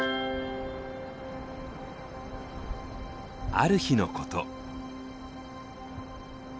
ある日のこと。